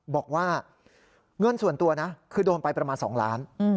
บอกว่าเงินส่วนตัวนะคือโดนไปประมาณ๒ล้าน